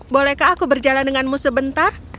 bolehkah aku berjalan denganmu sebentar